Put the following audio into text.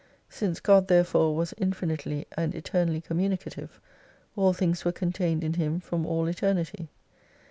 Since God therefore was infinitely and eternally communicative, all things were contained in Him from all Eternity.